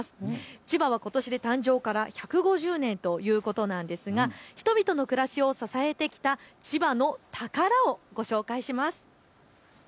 千葉はことしで誕生から１５０年ということなんですが人々の暮らしを支えてきた千葉の宝をご紹介します。